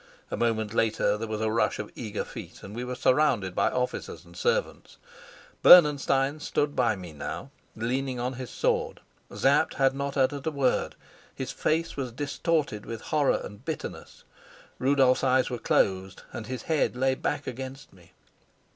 A moment later there was a rush of eager feet, and we were surrounded by officers and servants. Bernenstein stood by me now, leaning on his sword; Sapt had not uttered a word; his face was distorted with horror and bitterness. Rudolf's eyes were closed and his head lay back against me.